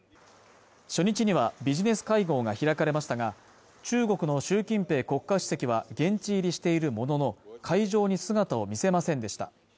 初日にはビジネス会合が開かれましたが中国の習近平国家主席は現地入りしているものの会場に姿を見せませんでした